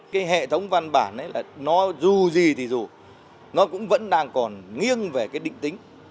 cái hệ thống văn bản ấy là nó dù gì thì dù nó cũng vẫn đang còn nghiêng về cái định tính